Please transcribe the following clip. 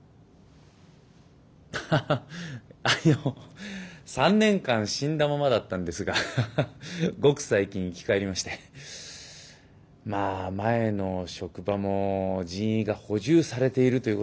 ハハハあの３年間死んだままだったんですがごく最近生き返りましてまあ前の職場も人員が補充されているということもあってですね